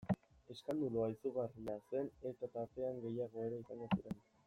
Eskandalua izugarria zen eta tartean gehiago ere izango ziren...